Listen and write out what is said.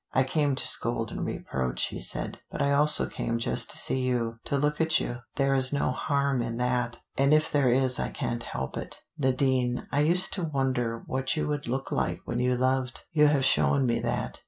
"I came to scold and reproach," he said, "but I also came just to see you, to look at you. There is no harm in that. And if there is I can't help it. Nadine, I used to wonder what you would look like when you loved. You have shown me that.